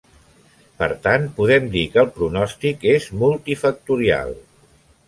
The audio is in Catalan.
Per tant, podem dir que el pronòstic és multifactorial.